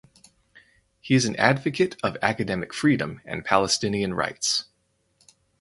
He is an advocate of academic freedom and Palestinian rights.